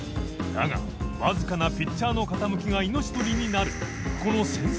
磴世わずかなピッチャーの傾きが命取りになる磴海料〆戮粉